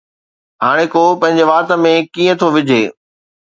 ھاڻي ڪو پنھنجي وات ۾ ڪيئن ٿو وجھي؟